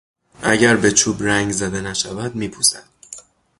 اگر به چوب رنگ زده نشود میپوسد.